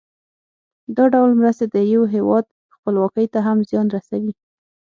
دا ډول مرستې د یو هېواد خپلواکۍ ته هم زیان رسوي.